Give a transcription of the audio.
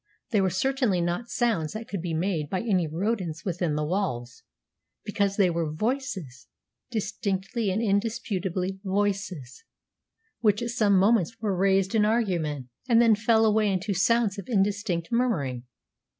They were certainly not sounds that could be made by any rodents within the walls, because they were voices, distinctly and indisputably voices, which at some moments were raised in argument, and then fell away into sounds of indistinct murmuring.